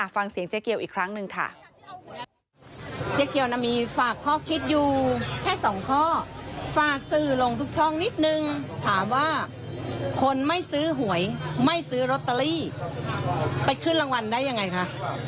ฟังเสียงเจ๊เกียวอีกครั้งหนึ่งค่ะ